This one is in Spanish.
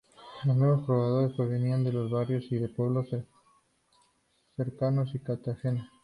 Los nuevos pobladores provenían de barrios y de pueblos cercanos a Cartagena.